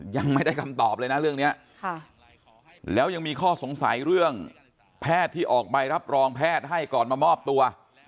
ยังไม่ได้คำตอบเลยนะเรื่องนี้แล้วยังมีข้อสงสัยเรื่องแพทย์ที่ออกใบรับรองแพทย์ให้ก่อนมามอบตัว